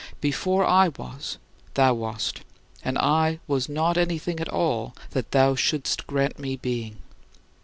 Before I was, thou wast, and I was not anything at all that thou shouldst grant me being.